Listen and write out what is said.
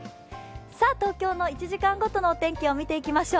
東京の１時間ごとの天気を見ていきましょう。